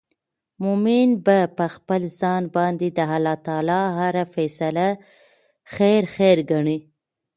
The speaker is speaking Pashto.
مؤمن به په خپل ځان باندي د الله تعالی هره فيصله خير خير ګڼې